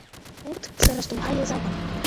Урҭ сара сдоуҳа иазааигәан.